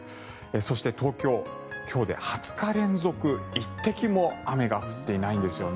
そして、東京今日で２０日連続１滴も雨が降っていないんですよね。